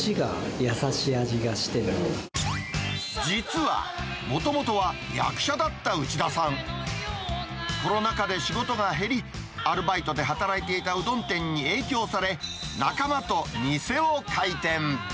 まあ、実は、もともとは役者だった内田さん。コロナ禍で仕事が減り、アルバイトで働いていたうどん店に影響され、仲間と店を開店。